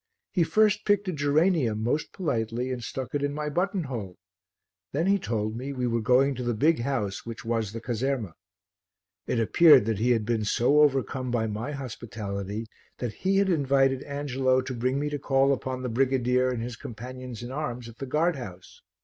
He first picked a geranium most politely and stuck it in my button hole; then he told me we were going to the big house which was the caserma. It appeared that he had been so overcome by my hospitality that he had invited Angelo to bring me to call upon the brigadier and his companions in arms at the guard house.